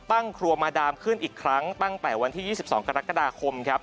ครัวมาดามขึ้นอีกครั้งตั้งแต่วันที่๒๒กรกฎาคมครับ